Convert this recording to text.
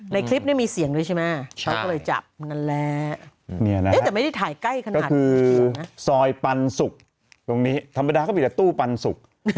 ในคลิปมีเสียงด้วยใช่ไหมท่องเลยจับก็คือซอยปันสุกตรงนี้ธรรมดาก็ไม่จากตู้ปันสุก